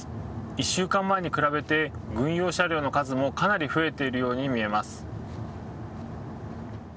１週間前に比べて、軍用車両の数もかなり増えているように見えます。